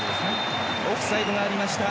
オフサイドがありました。